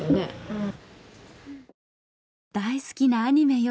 うん。